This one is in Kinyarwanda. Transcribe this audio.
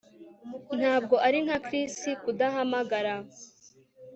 Ntabwo ari nka Chris kudahamagara